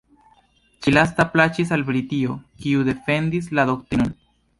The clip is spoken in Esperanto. Ĉi-lasta plaĉis al Britio, kiu defendis la doktrinon.